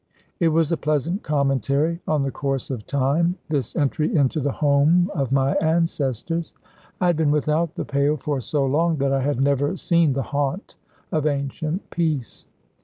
It was a pleasant commentary on the course of time, this entry into the home of my ancestors. I had been without the pale for so long, that I had never seen the haunt of ancient peace.